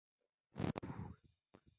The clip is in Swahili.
Virusi vya korona vimekuwa tishio kuu duniani